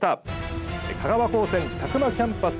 香川高専詫間キャンパス